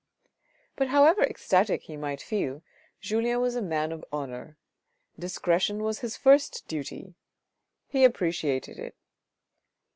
But however ecstatic he might feel, Julien was a man of honour. Discretion was his first duty. He appreciated it.